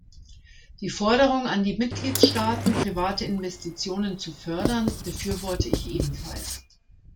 Die Forderung an die Mitgliedstaaten, private Investitionen zu fördern, befürworte ich ebenfalls.